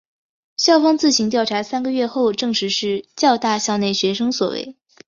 校方自行调查三个月后证实是教大校内学生所为。